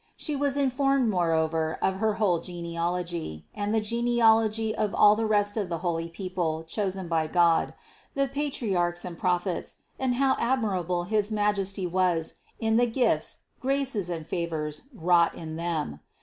She was informed moreover of her whole genealogy, and the genealogy of all of the rest of the holy people chosen by God, the Patriarchs and Prophets, and how admirable his Majesty was in the gifts, graces and favors wrought in them.